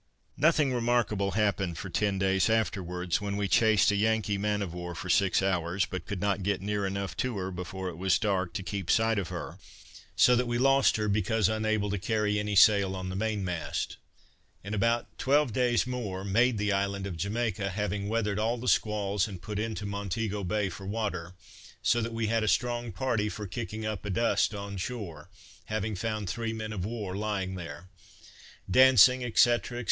Nothing remarkable happened for ten days afterwards, when we chased a Yankee man of war for six hours, but could not get near enough to her before it was dark, to keep sight of her; so that we lost her because unable to carry any sail on the mainmast. In about twelve days more made the island of Jamaica, having weathered all the squalls, and put into Montego Bay for water; so that we had a strong party for kicking up a dust on shore, having found three men of war lying there. Dancing, &c. &c.